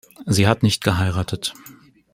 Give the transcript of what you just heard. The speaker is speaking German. Sie hat nicht geheiratet.